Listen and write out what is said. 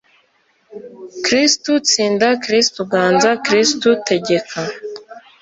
r/ kristu tsinda, kristu ganza, kristu tegeka